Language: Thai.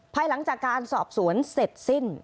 ภายหลังจากการสอบสวนเสร็จสิ้น